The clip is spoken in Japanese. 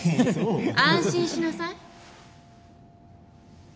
安心しなさい